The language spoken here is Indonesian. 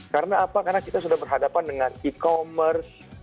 karena apa karena kita sudah berhadapan dengan e commerce